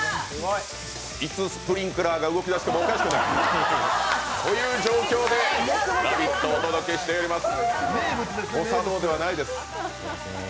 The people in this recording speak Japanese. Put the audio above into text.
いつスプリンクラーが動き出してもおかしくないという状況でこんな状況で「ラヴィット！」をお届けしております。